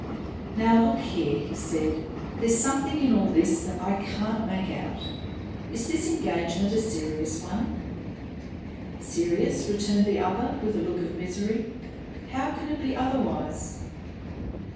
"Now, look here," he said, "there's something in all this I can't make out. Is this engagement a serious one?" "Serious?" returned the other, with a look of misery. "How can it be otherwise?"